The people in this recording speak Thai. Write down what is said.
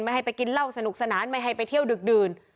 ให้ไปกินเหล้าสนุกสนานไม่ให้ไปเที่ยวดึกดื่น